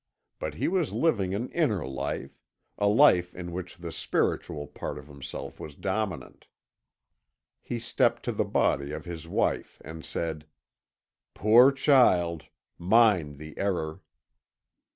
But he was living an inner life a life in which the spiritual part of himself was dominant. He stepped to the body of his wife and said: "Poor child! Mine the error."